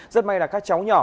rất may là các cháu nhỏ